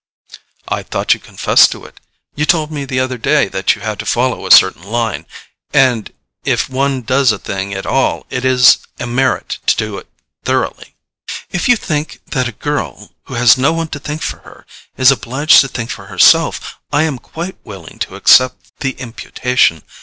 "I thought you confessed to it: you told me the other day that you had to follow a certain line—and if one does a thing at all it is a merit to do it thoroughly." "If you mean that a girl who has no one to think for her is obliged to think for herself, I am quite willing to accept the imputation.